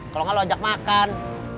kalau nggak lo ajak makan